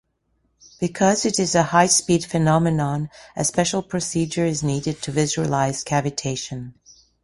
Because it is a high-speed phenomenon, a special procedure is needed to visualize cavitation.